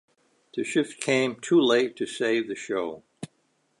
The shift came too late to save the show.